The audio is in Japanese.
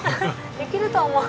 「できると思う！」